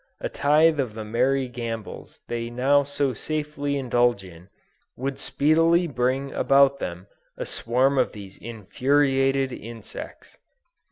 A tithe of the merry gambols they now so safely indulge in, would speedily bring about them a swarm of these infuriated insects.